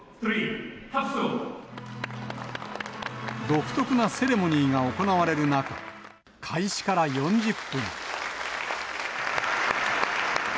独特なセレモニーが行われる中、開始から４０分。